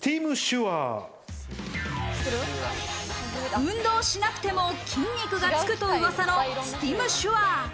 運動しなくても筋肉がつくとうわさのスティムシュアー。